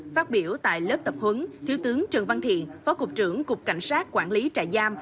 phát biểu tại lớp tập huấn thiếu tướng trần văn thiện phó cục trưởng cục cảnh sát quản lý trại giam